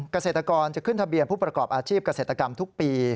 เกษตรกรจะขึ้นทะเบียนผู้ประกอบอาชีพเกษตรกรรมทุกปี